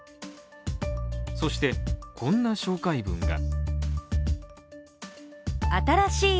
そして、こんな紹介文が。